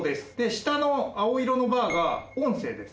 下の青色のバーが音声です。